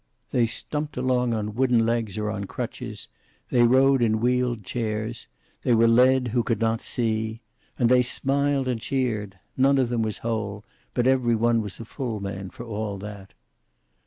They stumped along on wooden legs or on crutches; they rode in wheeled chairs; they were led, who could not see. And they smiled and cheered. None of them was whole, but every one was a full man, for all that.